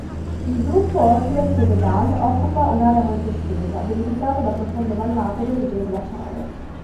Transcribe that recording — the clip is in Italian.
Il gruppo Ortles-Cevedale occupa un'area molto estesa, delimitata da profonde vallate di origine glaciale.